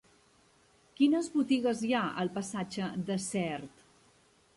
Quines botigues hi ha al passatge de Sert?